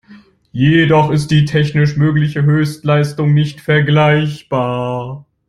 Jedoch ist die technisch mögliche Höchstleistung nicht vergleichbar.